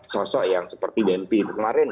sosok yang seperti denpi kemarin